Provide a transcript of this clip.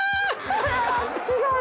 違う？